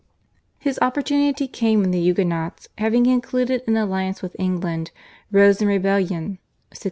His opportunity came when the Huguenots having concluded an alliance with England rose in rebellion (1627).